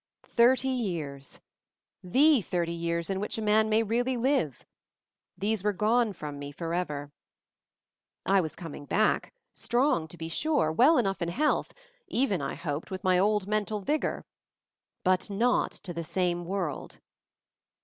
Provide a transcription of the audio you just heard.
Thirty years— the thirty years in which a man may really live — these were gone from me forever. I was coming back; strong to be sure; well enough in health; even, I hoped, with my old mental vigor — but not to the same world.